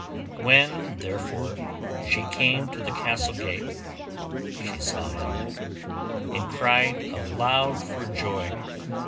When therefore she came to the castle gate she saw him, and cried aloud for joy.